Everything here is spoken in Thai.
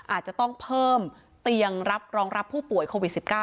อาจจะต้องเพิ่มเตียงรับรองรับผู้ป่วยโควิด๑๙